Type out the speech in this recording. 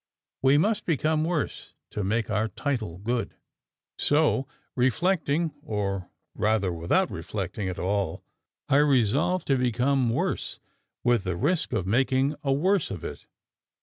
"We must become worse to make our title good." So reflecting, or rather without reflecting at all, I resolved to "become worse" with the risk of making a worse of it.